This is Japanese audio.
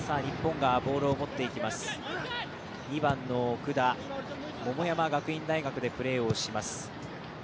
２番の奥田、桃山学院大学でプレーをします。